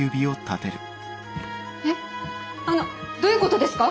えっあのどういうことですか？